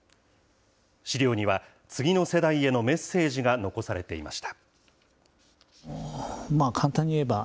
資料には次の世代へのメッセージが残されていました。